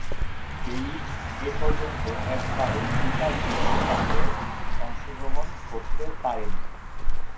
Belize এপর্যন্ত একবারও FIFA বিশ্বকাপে অংশগ্রহণ করতে পারেনি।